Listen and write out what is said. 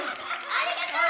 ありがとう！